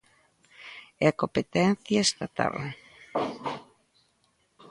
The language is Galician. É competencia estatal.